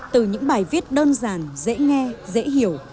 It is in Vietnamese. từ những bài viết đơn giản dễ nghe dễ hiểu